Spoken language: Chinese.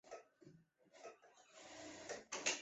少花溲疏为虎耳草科溲疏属下的一个变种。